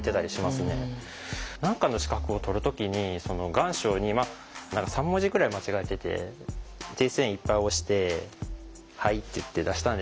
何かの資格を取る時に願書に３文字ぐらい間違えてて訂正印いっぱい押して「はい」って言って出したんですけど。